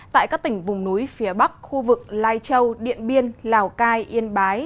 tại các tỉnh vùng núi phía bắc khu vực lai châu điện biên lào cai yên bái